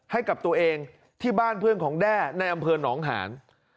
ให้กับตัวเองที่บ้านเพื่อนของแด้ในอำเภอหนองหาน